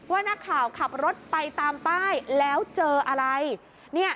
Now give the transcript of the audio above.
ว่านักข่าวขับรถไปตามป้ายแล้วเจออะไรเนี่ย